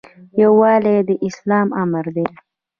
یووالی د اسلام امر دی